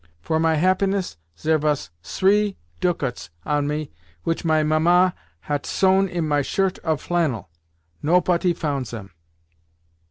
For my happiness zere vas sree tucats on me which my Mamma hat sewn in my shirt of flannel. Nopoty fount zem.